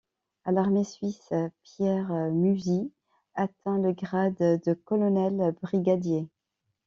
À l'Armée suisse, Pierre Musy atteint le grade de colonel brigadier.